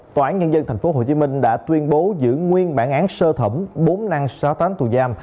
tòa án nhân dân tp hcm đã tuyên bố giữ nguyên bản án sơ thẩm bốn năm sáu tháng tù giam